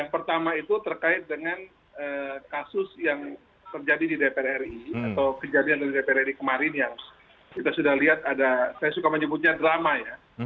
pertama itu terkait dengan kasus yang terjadi di dpr ri atau kejadian dari dpr ri kemarin yang kita sudah lihat ada saya suka menyebutnya drama ya